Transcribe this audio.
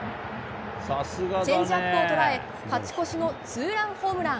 チェンジアップを捉え勝ち越しのツーランホームラン。